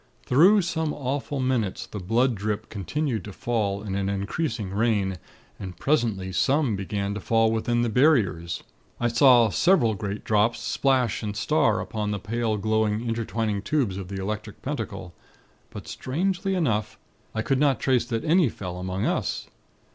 "Through some awful minutes the 'blood drip' continued to fall in an increasing rain; and presently some began to fall within the Barriers. I saw several great drops splash and star upon the pale glowing intertwining tubes of the Electric Pentacle; but, strangely enough, I could not trace that any fell among us.